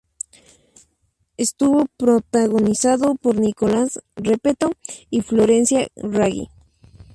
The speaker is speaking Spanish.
Estuvo protagonizado por Nicolás Repetto y Florencia Raggi.